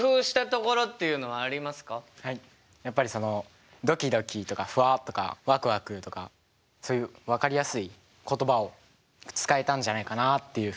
はいやっぱりその「ドキドキ」とか「フワッ」とか「ワクワク」とかそういう分かりやすい言葉を使えたんじゃないかなあっていうふうには思います。